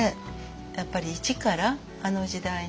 やっぱり一からあの時代の人をね